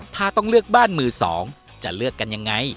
ถ้าต้องเลือกบ้านมือสองจะเลือกกันยังไง